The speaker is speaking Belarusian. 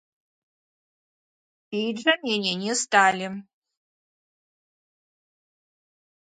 Піць жа меней не сталі.